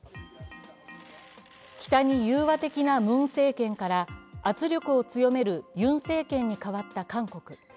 北に融和的なムン政権から圧力を強めるユン政権に変わった韓国。